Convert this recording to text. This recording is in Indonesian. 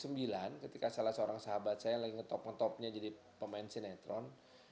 saya ingat tahun dua ribu sembilan ketika salah seorang sahabat saya yang lagi ngetop ngetopnya jadi pemain sinetron